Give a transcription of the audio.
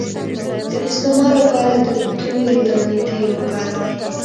د استما لپاره د تورې دانې تېل وکاروئ